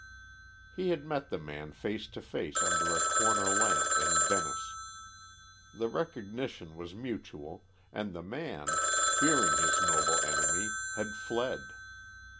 He had met the man face to face under a corner lamp in Venice. The recognition was mutual, and the man, fearing his noble enemy, had fled.